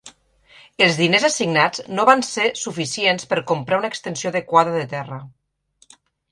Els diners assignats no va ser suficients per comprar una extensió adequada de terra.